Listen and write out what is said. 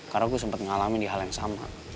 karena gue sempet ngalamin dia hal yang sama